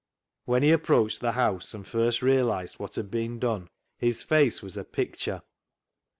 When he approached the house and first realised what had been done, his face was a picture.